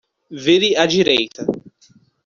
Vire a direita.